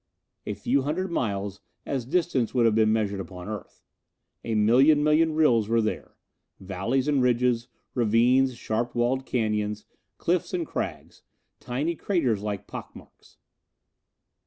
A few hundred miles, as distance would be measured upon Earth. A million million rills were here. Valleys and ridges, ravines, sharp walled canyons, cliffs and crags tiny craters like pock marks.